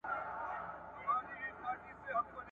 آیا پنځه سوه تنه ژوندي پاته سول؟